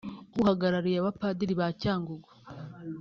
uhagarariye abapadiri ba Cyangugu